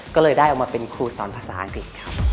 ก็เลยได้ออกมาเป็นครูสอนภาษาอังกฤษครับ